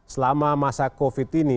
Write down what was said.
selama masa covid ini